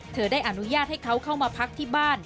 ได้อนุญาตให้เขาเข้ามาพักที่บ้าน